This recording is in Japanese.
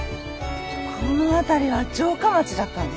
この辺りは城下町だったんですよ。